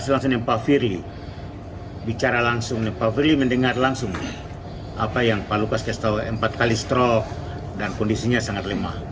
langsung apa yang pak lukas kasih tahu empat kali strok dan kondisinya sangat lemah